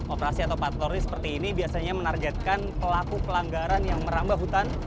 operasi atau patroli seperti ini biasanya menargetkan pelaku pelanggaran yang merambah hutan